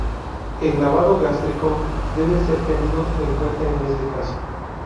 El lavado gástrico debe ser tenido en cuenta en este caso.